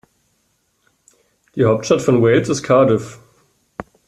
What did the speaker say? Die Hauptstadt von Wales ist Cardiff.